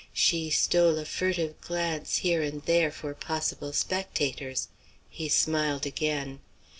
She stole a furtive glance here and there for possible spectators. He smiled again.